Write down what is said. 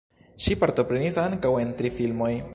Ŝi partoprenis ankaŭ en tri filmoj.